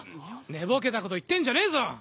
寝ぼけたこと言ってんじゃねえぞ！